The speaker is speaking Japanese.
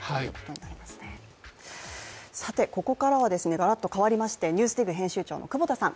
ここからはガラッと変わりまして「ＮＥＷＳＤＩＧ」編集長の久保田さん